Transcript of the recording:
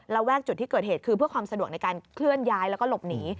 แวกจุดที่เกิดเหตุคือเพื่อความสะดวกในการเคลื่อนย้ายแล้วก็หลบหนี